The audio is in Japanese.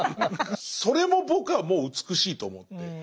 それも僕はもう美しいと思って。